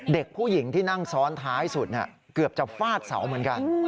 เด็กผู้หญิงที่นั่งซ้อนท้ายสุดเกือบจะฟาดเสาเหมือนกัน